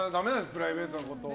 プライベートなことを。